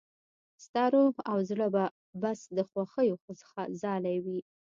ستا روح او زړه به بس د خوښيو ځالې وي.